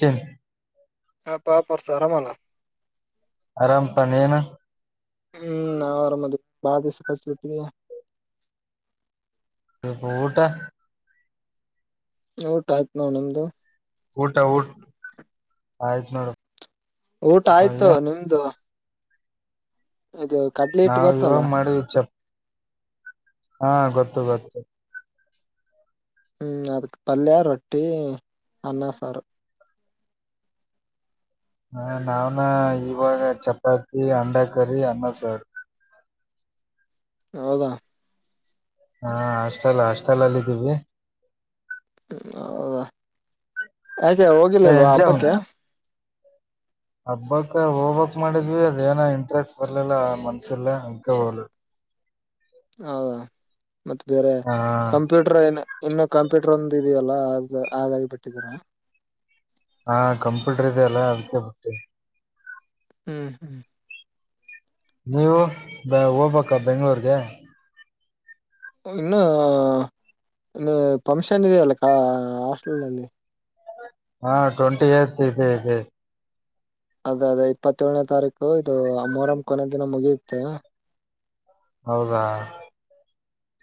ಹೆ [unintelligible] ಹೇಳಪಾ ಪರಸ ಆರಾಮಲ್ಲ ಆರಾಮ್ಪ ನೀನು ಹ್ಮ್ ನಾವ ಆರಾಮ ಅದಿವಿ ಬಾಳ ದಿವಸಾತ ಬಿಟ್ಟಿದೀಯ ಪೂ ಊಟ ಊಟ ಆಯ್ತ ನೋಡ ನಿಮ್ದು ಊಟಾ ಊ ಆಯ್ತು ನೋಡ ಊಟ ಆಯ್ತು ನಿಮ್ದು ಇದು ಕಡ್ಲಿ ಇಟ್ಟ ನಾವ್ ಗೊತ್ತಲ್ಲ ಇವಾಗ ಮಾಡಿವಿ ಚಪ್ ಹಾ ಗೊತ್ತು ಗೊತ್ತು ಹ್ಮ್ ಅದಕ್ ಪಲ್ಯ ರೊಟ್ಟಿ ಅನ್ನ ಸಾರು ಹ ನಾವ್ನ ಇವಾಗ ಚಪಾತಿ ಅಂಡ ಕರಿ ಅನ್ನ ಸಾರ್ ಹೌದಾ ಹಾ ಹಾಸ್ಟೆಲ್ ಹಾಸ್ಟೆಲ್ ಅಲ್ಲಿದ್ದೀವಿ ಹ್ಮ ಹೌದಾ ಯಾಕೆ ಏನ್ ಹೋಗಿಲಿಲ್ವಾ ಎಕ್ಸಾಮ್ ಹಬ್ಬಕ್ಕೆ ಹಬ್ಬಕ್ ಹೋಗ್ಬಕ್ ಮಾಡಿದ್ವಿ ಅದೇಏನ ಇಂಟ್ರೆಸ್ಟ್ ಬರ್ಲಿಲ್ಲ ಮನ್ಸಿಲ್ಲ ಅಂತ ಹೋಲ್ ಹೌದಾ ಮತ್ತ ಬೇರೆ ಹಾ ಕಂಪ್ಯೂಟರ್ ಏನು ಇನ್ನು ಕಂಪ್ಯೂಟರ್ ಒಂದ ಇದೆಯಲ್ಲ ಅ ಹಾಗಾಗಿ ಬಿಟ್ಟಿದೀರಾ ಹಾ ಕಂಪ್ಯೂಟರ್ ಇದೆ ಅಲ್ಲ ಅದಕ್ಕೆ ಬಿಟ್ಟಿವು ಹ್ಮ್ ಹ್ಮ್ ನೀವು ಬ ಹೋಗ್ಬೇಕ ಬೆಂಗ್ಗಳೂರ್ಗೆ ಇನ್ನು ಇ ಫಂಕ್ಷನ್ ಇದೆಯಲ್ಲ ಕ ಹಾಸ್ಟೆಲ್ ನಲ್ಲಿ ಹಾ ಟ್ವೆಂಟಿ ಏತ್ ಇದೆ ಇದೆ ಅದೇ ಅದೇ ಇಪ್ಪತ್ತಏಳನೇ ತಾರೀಕು ಇದು ಅ ಮೂರಂ ಕೊನೆ ದಿನ ಮುಗಿಯುತ್ತೆ ಹೌದಾ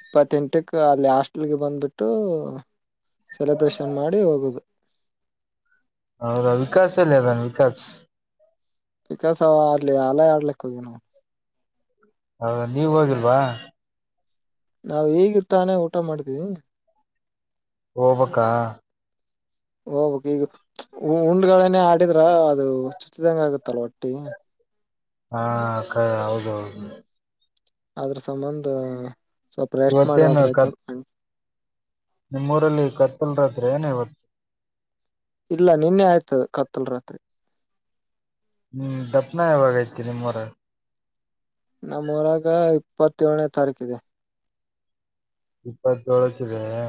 ಇಪ್ಪತ್ತೆಂಟಕ ಅಲ್ಲಿ ಹಾಸ್ಟೆಲ್ಗೆ ಬಂದ್ಬಿಟ್ಟು ಸೆಲೆಬ್ರೇಷನ್ ಮಾಡಿ ಹೋಗುದು ಹೌದಾ ವಿಕಾಸ ಎಲ್ಲ ಅದನ್ ವಿಕಾಸ್ ವಿಕಾಸ ಅವ ಅಲ್ಲಿ ಅಲ್ಯ ಆಡ್ಲಿಕ್ಕ ಹೋಗ್ಯನವ ಹೌದ ನೀವ ಹೋಗಿಲ್ವಾ ನಾವು ಹೇಗತಾನೆ ಊಟ ಮಾಡದವಿ ಹೋಬ್ಬಕಾ ಹೋಗಬಕ್ ಈಗ ಉಂಡುಗಳನೆೇ ಆಡಿದ್ರ ಅದು ಚುಚ್ಚಿದಂಗ ಆಗುತ್ತಲ್ ಒಟ್ಟಿ ಹಾ ಹೌದೌದು ಆದ್ರ ಸಂಬಧ ಸ್ವಲ್ಪ ರೆಸ್ಟ್ ಇವತ್ತೇನು ಮಾಡುವದ್ರ ಆಯ್ತು ಕತ್ ನಿಮ್ಮೂರಲ್ಲಿ ಕತ್ತಲ್ರತ್ರೆ ಏನೋ ಇವತ್ತು ಇಲ್ಲ ನಿನ್ನೆ ಆಯ್ತದ ಕತ್ತಲ್ ರಾತ್ರಿ ಹ್ಮ್ ದಪ್ಪನ ಯಾವಾಗ ಐತಿ ನಿಮ್ಮ್ವರ ನಮ್ಮ ಊರಗ ಇಪ್ಪತ್ತಏಳನೇ ತಾರೀಕ ಇದೆ ಇಪ್ಪತೋಳಕ ಇದೆಯೆ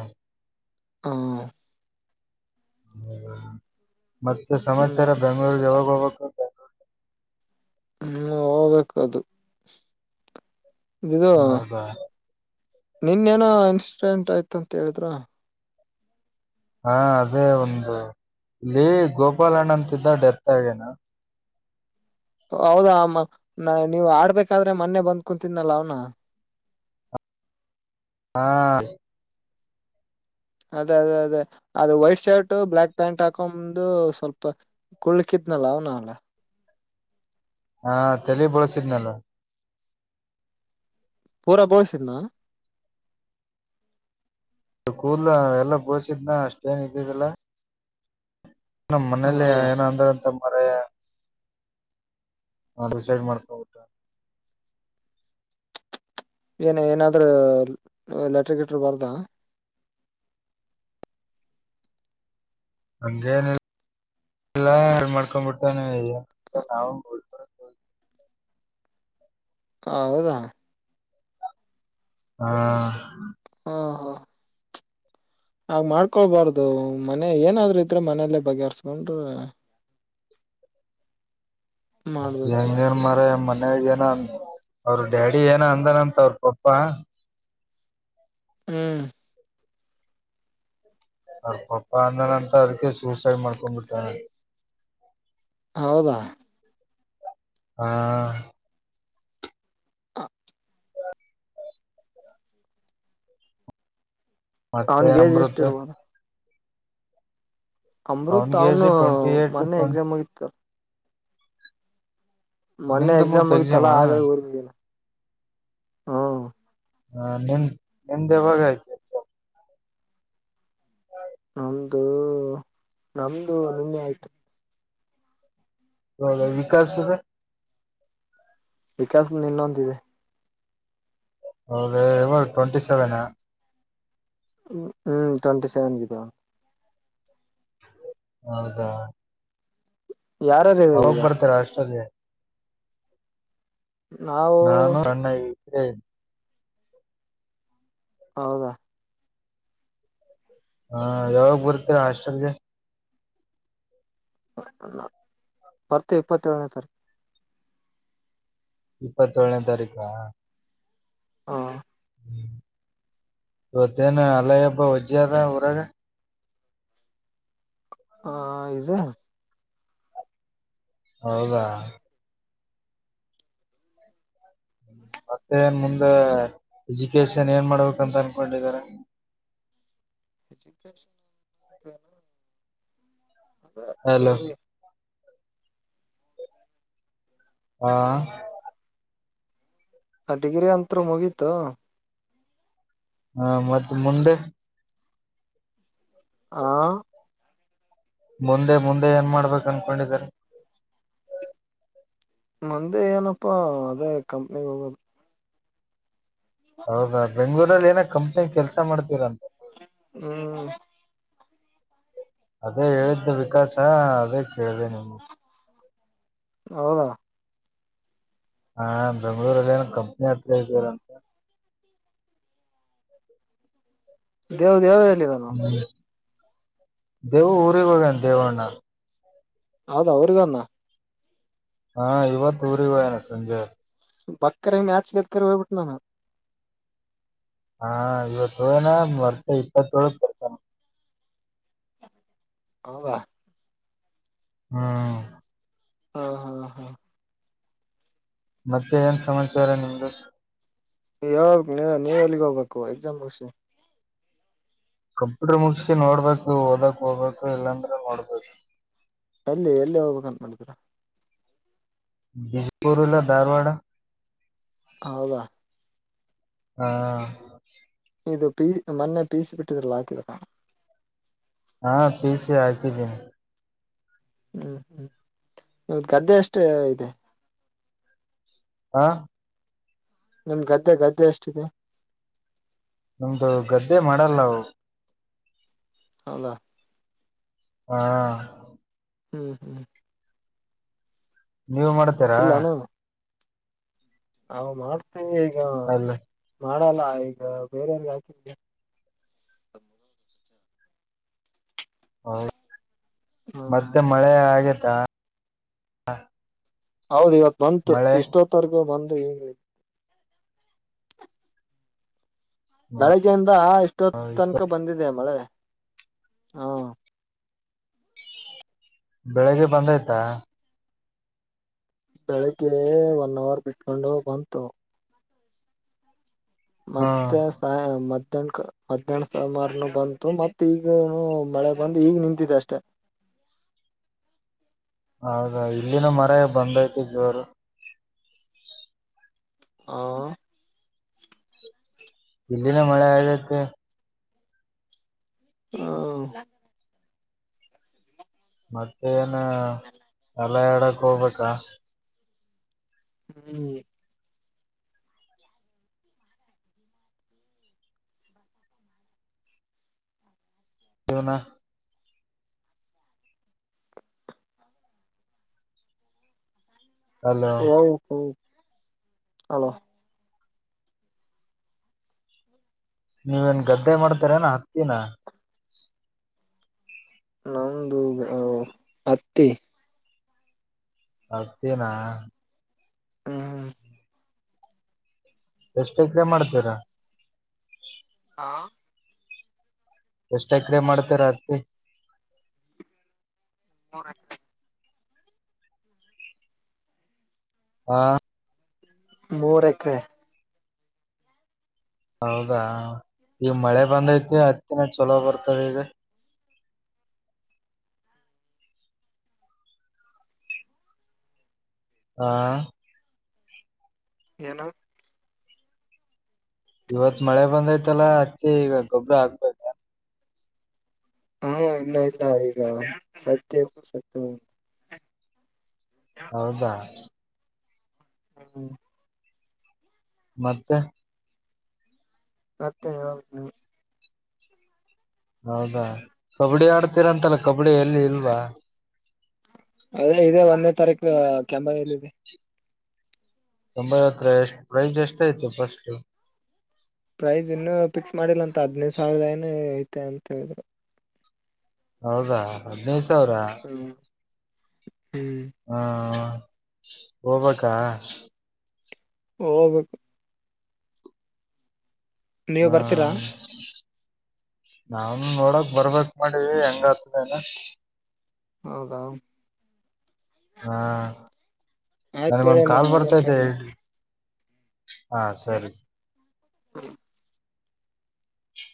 ಹ್ಮ ಮತ್ತೆ ಸಮಾಚಾರ ಹ್ಮ್ ಬೆಂಗ್ಗಳೂರಿಗೆ ಯಾವಾಗ ಹೋಗ್ಬೇಕು ಬೆಂಗ್ಗಳೂರ್ ಹ್ಮ್ ಹೋಗ್ಬೇಕು ಅದು ನೌದಾ ನಿನ ಏನೋ ಇನ್ಸಿಡೆಂಟ್ ಆಯ್ತಂತ ಹೇಳಿದ್ರ ಹಾ ಅದೇ ಒಂದು ಇಲ್ಲಿ ಗೋಪಾಲಣ್ಣ ಅಂತಿದ್ದ ಡೆತ್ ಆಗೇನಾ ಹೌದಾ ನೀವ ಆಡ್ಬೇಕಾದ್ರೆ ಮೊನ್ನೆ ಬಂದ್ ಕುಂತಿದ್ನಲ್ಲ ಅವ್ನ ಹಾ ಅದೇ ಅದೇ ಅದೇ ಅದು ವೈಟ್ ಶರ್ಟ್ ಬ್ಲ್ಯಾಕ್ ಪ್ಯಾಂಟ್ ಹಾಕೊ್ದು ಸ್ವಲ್ಪ ಕುಳ್ಕಿತನ ಅವನ್ ಅಲ್ಲ ಹಾ ತಲಿ ಬಳಸಿದ್ನಲ್ಲ ಪೂರಾ ಬೋಳಸಿದ್ನಾ ಕೂಲ್ ಎಲ್ಲ ಬೋಸಿದ್ನ ಅಷ್ಟೇಏನ್ ಇದಿದ್ದಲ್ಲಾ ನಮ್ಮ್ ಮನೇಲಿ ಹೌದಾ ಏನ ಅಂದ್ರ ಅಂತ ಮರ ಹಾ ರಡಿಸೈಡ್ ಮಾಡ್ಕಬಊಟ ಏನ ಏನಾದ್ರೂ ಲೆಟ್ರಿಕ್ಟರ್ ಬಾರದ ಅಂಗೇನೆ ಎಲ್ಲ ಹ ಮಾಡ್ಕೊಂಡ್ಬಿಟ್ಟಾನ ನಾ ಹಾ ಹೌದಾ ಹಾ ಹಾ ಹಾ ಆ ಮಾಡ್ಕೊಳ್ಬಾರ್ದು ಮನೆ ಏನಾದ್ರರು ಇದ್ರೆ ಮನೆಯಲ್ಲೇ ಬಗೆಹರ್ಸ್ಕೊಂಡ್ರ ಮಾಡ್ಬೇಕು ಎಂಗನ್ ಮರಮ್ಮ ಮ ಏನ ಅವ್ರ ಡ್ಯಾಡಿ ಏನೋ ಅಂದನಂತ ಅವ್ರ ಪಪ್ಪಾ ಹ್ಮ್ ಅವ್ರ ಪಪ್ಪ ಅಂದನಂತ ಅದಕ್ಕೆ ಸೂಸೈಡ್ ಮಾಡ್ಕೊಂಡ್ ಬಿಟ್ಟಾನ ಹೌದಾ ಹಾ ಹ ಮತ್ತೆ ಅವನ್ಗೆೇಜ್ ಎಷ್ಟ ಅಮೃತ್ ಇರ್ಬೋದು ಅಮೃತ್ ಅವನ್ಗೆ ಏಜ್ ಅವನು ಟ್ವೆಂಟಿ ಏಟ್ ಮೊನ್ನೆ ಎಕ್ಸಾಮ್ ಆಗಿತ್ತ ಮೊನ್ನೆ ನಿಮ್ದು ಎಕ್ಸಾಮ್ ಮುಗ್ದ ಹೋಗಿತ್ತಲ್ಲ ಹಾಗಾಗಿ ಊರ್ಬನ ಹ್ಮ ಹ ನಿಮ ನಿಮ್ದೆವಾಗ ಆಯ್ತು ನಮ್ದು ನಮ್ದು ನಿಮ್ಮೆ ಆಯ್ತು ಹೌ ವಿಕಾಸದೆ ವಿಕಾಸದ ನಿನ್ನೊಂದಿದೆ ಹೌದ ಟ್ವೆಂಟಿ ಸೆವೆನ ಹ್ಮ್ ಟ್ವೆಂಟಿ ಸೆವೆನ್ ಗಿದ್ದ ಹದಾ ಯಾರಾರು ಇದಾರೆ ಹೋಗ್ ಈಗ ಬರ್ತಾರಾ ಅಷ್ಟಂದ ನಾವು ನಾನು ರಣ್ಣ ಇದೇ ಹೌದಾ ಹಾ ಯಾವಾಗ್ ಬರ್ತೀರ ಹಾಸ್ಟೆಲ್ಗೆ ಬರ್ತ ಇಪ್ಪತ್ತೇಳಳನೇ ತಾರೀಕು ಇಪ್ಪತ್ತ ಏಳನೇ ತಾರೀಕಾ ಹಾ ತ್ತನ ಅಲಯ ಅಬ್ಬ ವಜ್ಜಿಅದ ಉಊರಾಗ ಹ ಇದು ಹೌದಾ ಮತ್ತೆ ಏನ್ ಮುಂದ ಎಜುಕೇಶನ್ ಏನ್ ಮಾಡ್ಬೇಕಂತ ಅನ್ಕೊಂಡಿದ್ದಾರೆ ಎಜ ಅದ ಹಲೋ ಗರಿ ಹಾ ಆ ಡಿಗ್ರಿ ಅಂತರು ಮುಗೀತು ಹಾ ಮತ್ತೆ ಮುಂದೆ ಹ ಮುಂದೆ ಮುಂದೆ ಏನ್ ಮಾಡ್ಬೇಕ ಅನ್ಕೊಂಡಿದ್ದಾರೆ ನಂದೆ ಏನಪ್ಪಾ ಅದೇ ಕಂಪಗೆ ಹೋಗೋದು ಹೌದಾ ಬೆಂಗಳೂರು ಏನ ಕಂಪನಿ ಕೆಲ್ಸ ಮಾಡ್ತೀರಂತ ಹ್ಮ್ ಅದೇ ಹೇಳಿದ್ದು ವಿಕಾಸ ಅದೇ ಕೇಳಿದೆ ನಿಮ ಹೌದಾ ಹಾ ಬೆಂಗ್ಗಳೂರಲ್ಲಿ ಏನ ಕಂಪನಿ ಹತ್ರ ಇದ್ದಾರಂತ ದವು ದೇವು ಹ್ಮ್ ದೇವ ಊರಿಗೆಗ್ ಹೋಗನ್ ದೇವ್ಣ ಹೌದ ಅವ್ರಗನ್ನ ಹಾ ಇವತ್ತು ಊರಿವಾಯನ ಸಂಜೆ ಬಕ್ಕರ್ ಹೆಂಗಗೆ ಆ್ಯಚ್ಗೆದಕರಿ ಹ್ಬ ಬಿಟ್ಟು ನಾನ ಹಾ ಇವತ್ತು ಹನಾ ಮರ್ತ ಇಪ್ಪತ್ತೋಳು ಬತಾನ ಹೌದಾ ಹ್ಮ್ ಹಾ ಹಾ ಹಾ ಮತ್ತೆ ಏನ್ ಸಮಾಚಾರ ನಿಮ್ದು ಯಾವ ನೀವ್ ಎಲ್ಲಿಗ್ ಹೋಗ್ಬೇಕು ಎಕ್ಸಾಮ್ ಕಂಪ್ಯೂಟರ್ ಮುಗಸಿ ನೋಡ್ಬೇಕು ಓದಕ್ ಹಗಕು ಇಲ್ಲಾಂದ್ರೆ ನೋಡ್ಬೇಕು ಅಲ್ಲಿ ಎಲ್ಲಿ ಹೋಗ್ಬೇಕಂತ ಮಾಡಿದೀರ ಬಿಜಾಪುರ ಇಲ್ಲ ಧಾರವಾಡ ಹೌದಾ ಹಾ ಇದು ಪೀ ಮೊನ್ನೆ ಪೀಸ ಬಿಟ್ಟಿದ್ರಲ್ಲ ಹಾಕಿದ ಕಣ ಹಾ ಪೀಸ್ ಯ ಆಗಿ ದಿನ ಹ್ಮ್ ಹ್ಮ್ ನಿಮ್ದ ಗದ್ದೆ ಅಷ್ಟೇ ಇದೆ ಹಾ ನಿಮ್ ಗದ್ದೆ ಗದ್ದೆ ಎಷ್ಟಿದೆ ನಮ್ದು ಗದ್ದೆ ಮಾಡಲ್ಲ ಅವು ಹೌದಾ ಹಾ ಹ್ಮ್ ಹ್ಮ್ ನೀವು ಮಾಡ್ತೀರಾ ನಾ ಮಾಡ್ತೇವಿ ಈಗ ಅಲ್ಲಿ ಮಾಡಲ್ಲ ಈಗ ಬೇರವ್ರ ಯಾಕ ಹೌ ಹ್ಮ್ ಮತ್ತೆ ಮಳೆ ಆಗೇತಾ ಹೌದ್ ಇವತ್ ಬಂತು ಮಳೆ ಇಷ್ಟೋತ್ತರ್ಗು ಬಂದು ಹಂಗ ಹೇಳ ಬೆಳಿಗ್ಗೆಯಿಂದ ಇಷ್ಟೊತ್ತು ಇಷ್ಟ ತನಕ ಬಂದಿದೆ ಮಳೆ ಹಾ ಬೆಳಿಗ್ಗೆ ಬಂದಯ್ತಾ ಬೆಳಿಗ್ಗೆ ಒನ್ ಅವರ್ ಬಿಟ್ಕೊಂಡು ಬಂತು ಹ್ಮ್ ಮತ್ತೆ ಸ ಮ ಹದಿನಂ ಹದಿನೆಂು ಸಮಾರನು ಬಂತು ಮತ್ತೆ ಈಗ ಮಳೆ ಬಂದು ಈಗ ನಿಂತಿದೆ ಅಷ್ಟೇ ಹೌದಾ ಇಲ್ಲಿನ ಮರ ಬಂದೈತ ಜೋರು ಆ ಇಲ್ಲಿನ ಮಳೆ ಆದೈತಿ ಹ್ಮ ಮತ್ತೇ ಏನ್ ಹಲ ಎಡಕ್ ಹೋಗ್ಬೇಕ ಹ್ಮ್ ಇನಾ ಅಲೋ ಹ್ಮ ಹ್ಮ ಅಲೋ ನೀವೇನ್ ಗದ್ದೆ ಮಾಡ್ತಾರ ಏನ ಹತ್ತಿನ ನಮ್ದು ಹತ್ತಿ ಅತೇನಾ ಹ್ಮ ಹ್ಮ ಎಷ್ಟು ಎಕರೆ ಮಾಡ್ತೀರಾ ಹಾ ಎಷ್ಟ ಎಕ್ರ ಮಾಡ್ತೇ ರಾತ್ರಿ ನೂರ ಎಕರೆ ಹಾ ಮೂರ ಎಕರೆ ಹೌದಾ ಈಗ ಮಳೆ ಬಂದೈತಿ ಹತ್ತಿನ ಚಲೋ ಬರ್ತದೆ ಈಗ [unintelligible] ಹಾ ನು ಇವತ್ ಮಳೆ ಬಂದೈ್ತಲ್ಲಾ ಅತ್ತಿ ಈಗ ಗೊಬ್ಬರ ಆಗ್ಬೇ ಹಾ ಇನ್ನೂ ಇಲ್ಲ ಈಗ ಸತ್ಯ ಸತ್ಯ ಹೌದಾ ಹಾ ಹ ಮತ್ತೆ ಮತ್ತೆ ಹೇಳ್ಬೇಕು ಹೌದಾ ಕಬಡ್ಡಿ ಆಡ್ತೀರಂತೆಲ್ಲ ಕಬಡ್ಡಿ ಎಲ್ಲಿ ಇಲ್ವಾ ಅದೇ ಇದೆ ಒಂದೇ ತಾರೀಕು ಕೆಂಬಲ್ಲಿ ಇದೆ ತಂಬ ಹತ್ರ ಎಷ್ಟ್ ಪ್ರೈಸ್ ಎಷ್ಟ ಆಯ್ತು ಫಸ್ಟ್ ಪ್ರೈಸ್ ಇನ್ನುೂ ಫಿಕ್ಸ್ ಮಾಡಿಲ್ಲ ಅಂತ ಹದ್ನೈದು ಸಾವಿರದ ಏನ ಐತೆ ಅಂತ ಹೇಳಿದ್ರು ಹೌದಾ ಹದ್ನೈದು ಸಾವಿರ ಹ್ಮ್ ಹಾ ಹೋಗ್ಬೇಕ. ಹೋಗ್ಬೇಕು. ನೀವ ಹಾ. ಬರ್ತೀರಾ ನಾವ ನೋಡಕ್ ಬರ್ಬೇಕಕ್ ಮಾಡೀವಿ ಹೆಂಗ ಆತದ ಏನೋ. ಹೌದಾ. ಹಾ ಆಯ್ತತೋಳ ನನಗೊಂದ್ ಕಾಲ್ ಅಮಲ ಬರ್ತೈತೆ ಕಾಲ್ ಹೇಳ್ರಿ ಹಾ ಸರಿ. ಸರಿ. ಹ